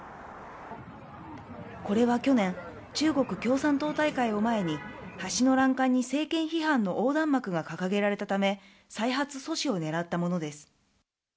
これは去年、中国共産党大会を前に、橋の欄干に政権批判の横断幕が掲げられたため再発阻止を狙ったものです。